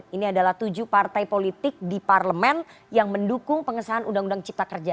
ini adalah tujuh partai politik di parlemen yang mendukung pengesahan undang undang cipta kerja